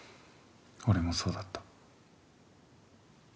俺もそうだった